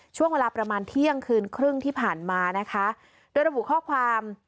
ช่วงเวลาประมาณเที่ยงคืนครึ่งที่ผ่านมานะคะโดยระบุข้อความ